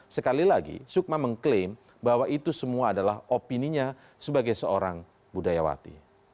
sekali lagi sukma mengklaim bahwa itu semua adalah opininya sebagai seorang budayawati